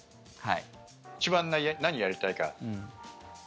一番何やりたいか。